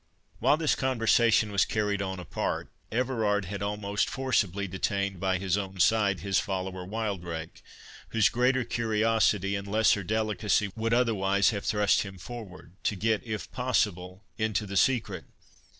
While this conversation was carried on apart, Everard had almost forcibly detained by his own side his follower, Wildrake, whose greater curiosity, and lesser delicacy, would otherwise have thrust him forward, to get, if possible, into the secret.